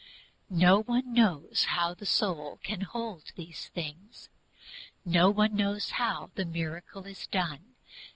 No one knows how the soul can hold these things. No one knows how the miracle is done.